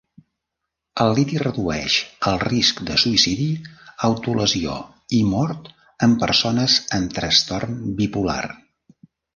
El liti redueix el risc de suïcidi, autolesió i mort en persones amb trastorn bipolar.